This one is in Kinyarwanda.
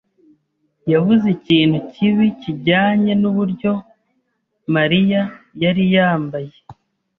yavuze ikintu kibi kijyanye nuburyo Mariya yari yambaye.